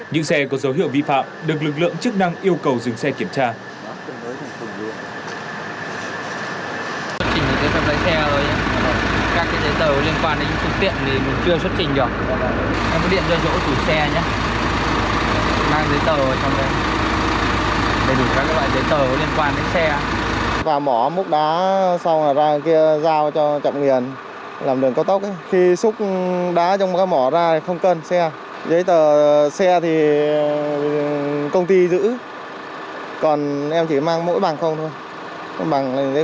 những xe có dấu hiệu vi phạm được lực lượng chức năng yêu cầu dừng xe kiểm tra